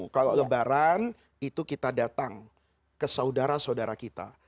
kalau lebaran itu kita datang ke saudara saudara kita